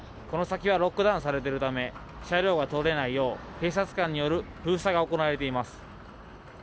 この先はロックダウンされているため車両が通れないよう警察官による封鎖が行われています。